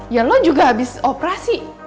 ya lo juga habis operasi